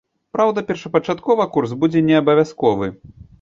Праўда, першапачаткова курс будзе неабавязковы.